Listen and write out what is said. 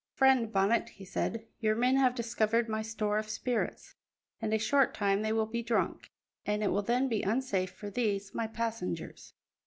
"Friend Bonnet," he said, "your men have discovered my store of spirits; in a short time they will be drunk, and it will then be unsafe for these, my passengers.